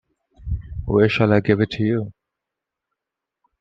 Where shall I give it to you?